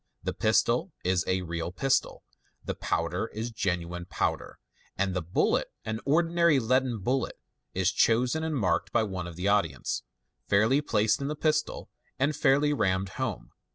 The pistol is k real pistol, the powder is genuine powder, and the bullet — an ordinary leaden bullet— is chosen and marked by one of the audience, fairly placed in the pistol, and fairly rammed home.